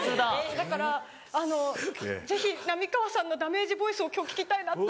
だからぜひ浪川さんのダメージボイスを今日聞きたいなって。